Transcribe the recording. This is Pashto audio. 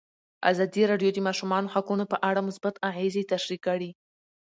ازادي راډیو د د ماشومانو حقونه په اړه مثبت اغېزې تشریح کړي.